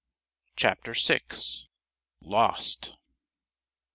CHAPTER VI LOST!